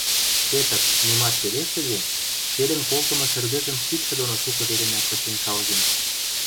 Петр, нимат пелештӹде, шелӹн колтымы шӹргӹжӹм кидшӹ доно шукы веремӓ кычен шалген.